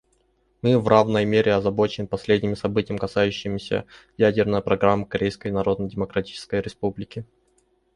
Мы в равной мере озабочены последними событиями, касающимися ядерной программы Корейской Народно-Демократической Республики.